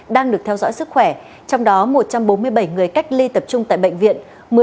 đang được theo dõi sức khỏe trong đó một trăm bốn mươi bảy người cách ly tập trung tại bệnh viện